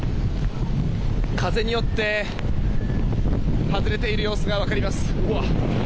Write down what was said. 風によって、外れている様子が分かります。